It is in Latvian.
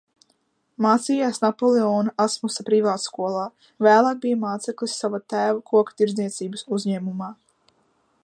Mācījās Napoleona Asmusa privātskolā, vēlāk bija māceklis sava tēva koktirdzniecības uzņēmumā.